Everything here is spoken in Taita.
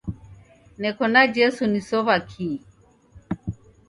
Neko na Jesu nisow'a kii?